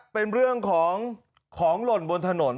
เป็นเรื่องของของหล่นบนถนน